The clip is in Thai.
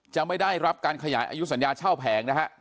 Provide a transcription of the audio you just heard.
ไม่ได้รับการขยายอายุสัญญาเช่าแผงนะฮะ